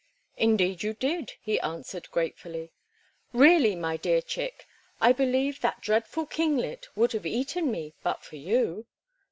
"Indeed you did," he answered, gratefully. "Really, my dear Chick, I believe that dreadful kinglet would have eaten me but for you."